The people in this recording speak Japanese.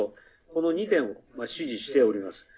この２点を指示しております。